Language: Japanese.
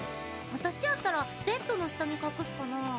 私やったらベッドの下に隠すかなぁ。